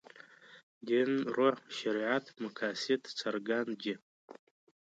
دین روح شریعت مقاصد څرګند دي.